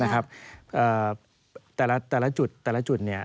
แต่ละจุดแต่ละจุด